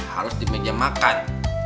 harus di meja makan